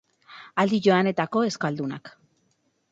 Aldi joanetako euskaldunak.